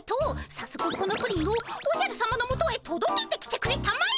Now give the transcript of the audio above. さっそくこのプリンをおじゃるさまのもとへとどけてきてくれたまえ。